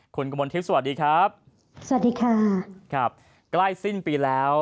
คุณกมลทิพย์สวัสดีครับสวัสดีค่ะครับใกล้สิ้นปีแล้ว